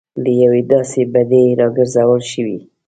له یوې داسې بدۍ راګرځول شوي.